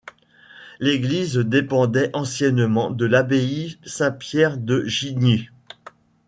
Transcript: L'église dépendait anciennement de l'abbaye Saint-Pierre de Gigny.